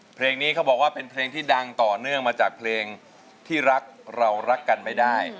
เพลงนี้เขาบอกว่าเป็นเพลงที่ดังต่อเนื่องมาจากเพลงที่รักเรารักกันไม่ได้